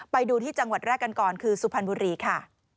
ไปดูที่จังหวัดแรกกันก่อนคือสุพรรณบุรีค่ะ